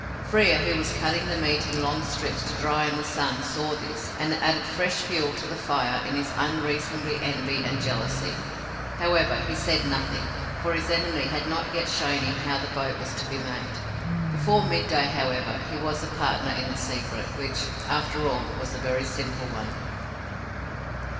Frere, who was cutting the meat in long strips to dry in the sun, saw this, and it added fresh fuel to the fire in his unreasonable envy and jealousy. However, he said nothing, for his enemy had not yet shown him how the boat was to be made. Before midday, however, he was a partner in the secret, which, after all, was a very simple one.